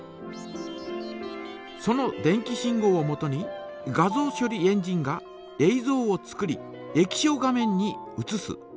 その電気信号をもとに画像処理エンジンがえいぞうを作り液晶画面にうつす。